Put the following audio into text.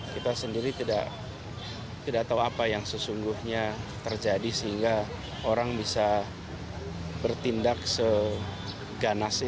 kita sendiri tidak tahu apa yang sesungguhnya terjadi sehingga orang bisa bertindak seganas